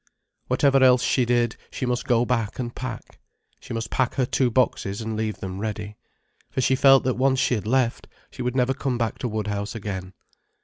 Whatever else she did, she must go back and pack. She must pack her two boxes, and leave them ready. For she felt that once she had left, she could never come back to Woodhouse again.